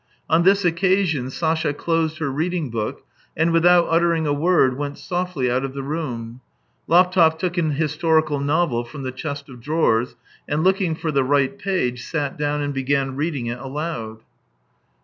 On this occasion Sasha closed her reading book, and without uttering a word, went softly out of the room. Laptev took an historical novel from the chest of drawers, and kx)king for the right page, sat down and began reading it aloud.